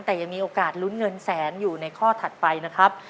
แต่ยังมีโอกาสลุ้นเงินแสนอยู่ในข้อถัดไปนะครับ